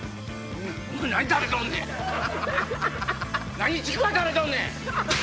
何ちくわ食べとんねん！